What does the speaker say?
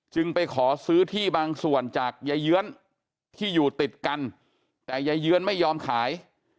ไปขอซื้อที่บางส่วนจากยายเยื้อนที่อยู่ติดกันแต่ยายเยื้อนไม่ยอมขาย